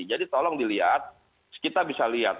jadi tolong dilihat kita bisa lihat